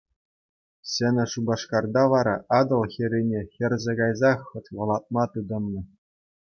Ҫӗнӗ Шупашкарта вара Атӑл хӗррине хӗрсе кайсах хӑтлӑлатма тытӑннӑ.